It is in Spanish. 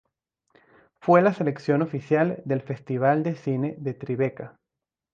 Fue la selección oficial del Festival de Cine de Tribeca.